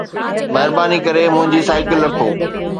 مهرباني ڪري منهنجي سائيڪل رکو